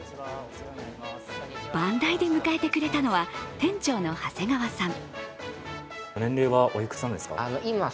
番台で迎えてくれたのは店長の長谷川さん。